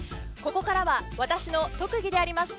ここからは私の特技であります